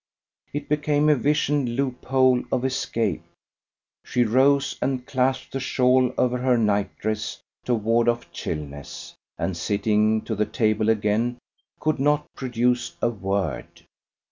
It became a visioned loophole of escape. She rose and clasped a shawl over her night dress to ward off chillness, and sitting to the table again, could not produce a word.